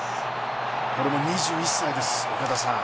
これも２１歳です。